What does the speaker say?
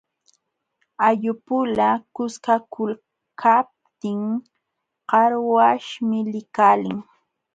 Ayllupula kuskakulkaptin qarqaśhmi likalin.